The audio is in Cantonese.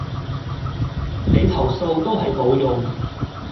你投訴都係無用